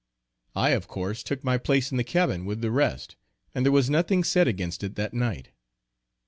I of course took my place in the cabin with the rest, and there was nothing said against it that night.